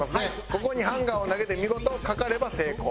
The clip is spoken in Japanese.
ここにハンガーを投げて見事かかれば成功。